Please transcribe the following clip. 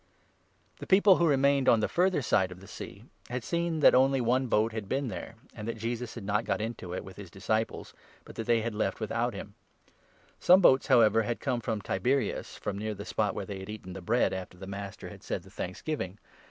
Je.u. The people who remained on the further side teaches at of the Sea had seen that only one boat had been Capernaum, there, and that Jesus had not got into it with his The Bread or disciples, but that they had left without him. Llf* Some boats, however, had come from Tiberias, from near the spot where they had eaten the bread after the Master had said the thanksgiving.